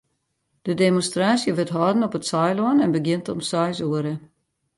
De demonstraasje wurdt hâlden op it Saailân en begjint om seis oere.